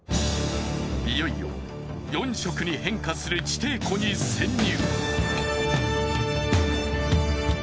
いよいよ４色に変化する地底湖に潜入。